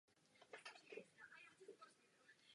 Rád bych začal něčím, co je pro mě velmi důležité.